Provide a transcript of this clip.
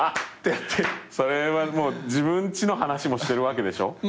それはもう自分ちの話もしてるわけでしょ？